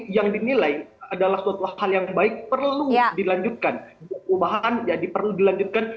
yang dinilai adalah suatu hal yang baik perlu dilanjutkan perubahan jadi perlu dilanjutkan